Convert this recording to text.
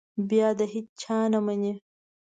بیا د هېچا نه مني.